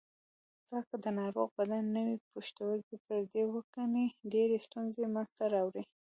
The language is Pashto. ځکه که د ناروغ بدن نوی پښتورګی پردی وګڼي ډېرې ستونزې منځ ته راوړي.